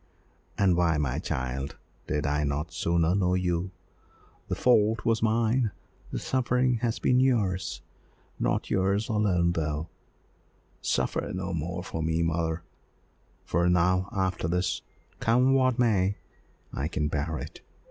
"And why, my child, did I not sooner know you? The fault was mine, the suffering has been yours, not yours alone, though." "Suffer no more for me, mother, for now, after this, come what may, I can bear it.